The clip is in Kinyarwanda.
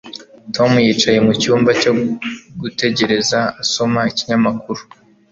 Tom yicaye mucyumba cyo gutegereza asoma ikinyamakuru.